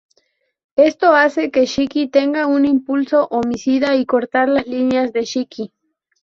Esto hace que Shiki tenga un impulso homicida y cortar las líneas de Shiki.